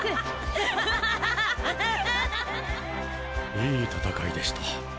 いい戦いでした